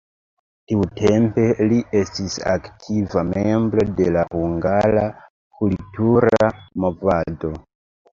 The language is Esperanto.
Tiutempe li estis aktiva membro de la hungara kultura movado.